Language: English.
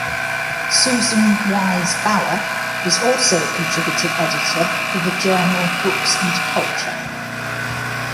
Susan Wise Bauer is also a contributing editor for the journal "Books and Culture".